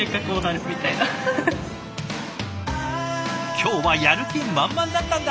今日はやる気満々だったんだ！